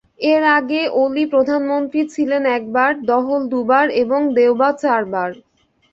এর আগে ওলি প্রধানমন্ত্রী ছিলেন একবার, দহল দুবার এবং দেওবা চারবার।